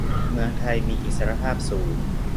เมืองไทยมีอิสรภาพสูง